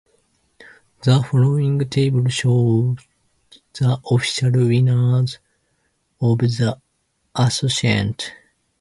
The following table shows the official winners of the Ascent.